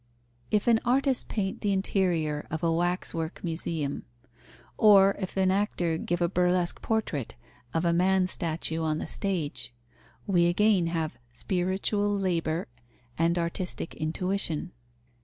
If an artist paint the interior of a wax work museum, or if an actor give a burlesque portrait of a man statue on the stage, we again have spiritual labour and artistic intuition.